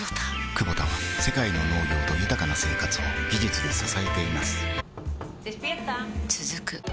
クボタは世界の農業と豊かな生活を技術で支えています起きて。